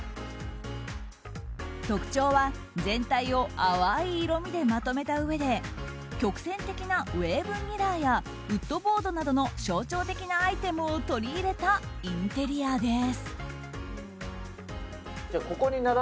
特徴は全体を淡い色味でまとめたうえで曲線的なウェーブミラーやウッドボードなどの象徴的なアイテムを取り入れたインテリアです。